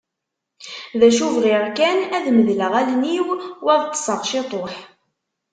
D acu bɣiɣ kan, ad medleɣ allen-iw u ad ṭṭseɣ ciṭuḥ.